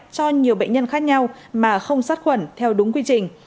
cho nhiều bệnh nhân khác nhau mà không sát khuẩn theo đúng quy trình